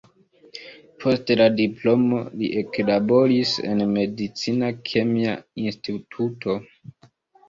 Post la diplomo li eklaboris en medicina-kemia instituto.